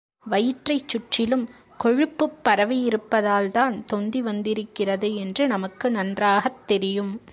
வயிற்றைச் சுற்றிலும் கொழுப்புப் பரவி விடுவதால் தான் தொந்தி வந்திருக்கிறது என்று நமக்கு நன்றாகத் தெரியும்.